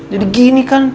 jadi gini kan